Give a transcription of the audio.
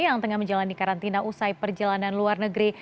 yang tengah menjalani karantina usai perjalanan luar negeri